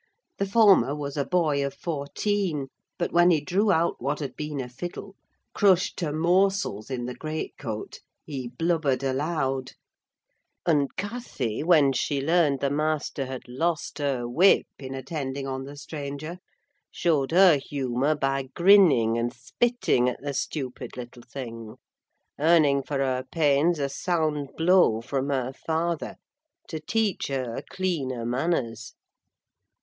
The former was a boy of fourteen, but when he drew out what had been a fiddle, crushed to morsels in the great coat, he blubbered aloud; and Cathy, when she learned the master had lost her whip in attending on the stranger, showed her humour by grinning and spitting at the stupid little thing; earning for her pains a sound blow from her father, to teach her cleaner manners.